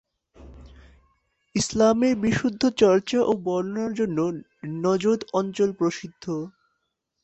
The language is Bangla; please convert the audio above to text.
ইসলামের বিশুদ্ধ চর্চা ও বর্ণনার জন্য নজদ অঞ্চল প্রসিদ্ধ।